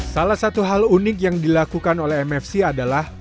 salah satu hal unik yang dilakukan oleh mfc adalah